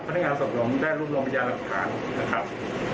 พนักทางานสอบฝากได้รูปลงบัญญาณรับฐานนะครับ